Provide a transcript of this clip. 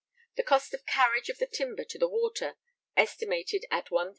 The cost of carriage of the timber to the water, estimated at 1190_l.